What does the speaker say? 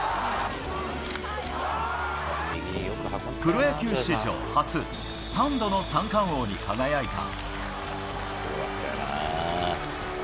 プロ野球史上初、３度の三冠王に輝いた。